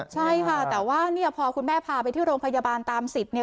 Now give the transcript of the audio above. ใช่ค่ะแต่ว่าพอคุณแม่พาไปที่โรงพยาบาลตามสิทธิ์